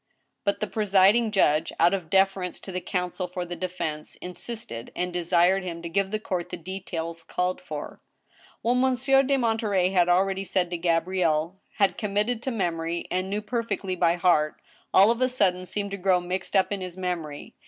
" But the presiding judge, out of deference to the counsel for the defense, insisted, and desired him to give the court the details called for. What Monsieur de Monterey had already said to Gabrielle — had committed to memory and knew perfectly by heart— all of a sud den seemed to grow mixed up in his memory.